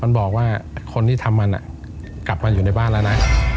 มันบอกว่าคนที่ทำมันกลับมาอยู่ในบ้านแล้วนะ